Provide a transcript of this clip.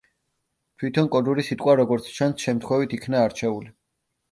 თვითონ კოდური სიტყვა, როგორც ჩანს, შემთხვევით იქნა არჩეული.